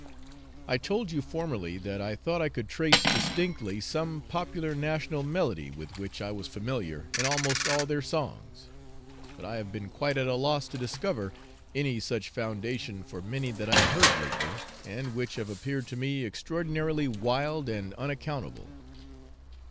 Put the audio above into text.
I told you formerly that I thought I could trace distinctly some popular national melody with which I was familiar in almost all their songs; but I have been quite at a loss to discover any such foundation for many that I have heard lately, and which have appeared to me extraordinarily wild and unaccountable.